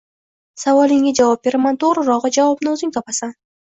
Savolingga javob beraman, to‘g‘rirog‘i, javobni o‘zing topasan